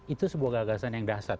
itu sebuah gagasan yang dasar